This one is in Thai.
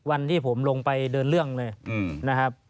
วันที่ผมลงไปเดินเรื่องเลยนะครับ